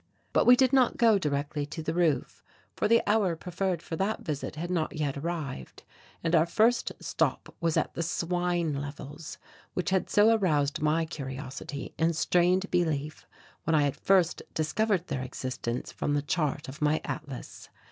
But we did not go directly to the roof, for the hour preferred for that visit had not yet arrived and our first stop was at the swine levels, which had so aroused my curiosity and strained belief when I had first discovered their existence from the chart of my atlas.